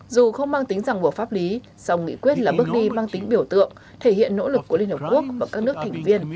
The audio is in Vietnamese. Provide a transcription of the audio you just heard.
dù không mang tính giảng buộc pháp lý song nghị quyết là bước đi mang tính biểu tượng thể hiện nỗ lực của liên hợp quốc và các nước thành viên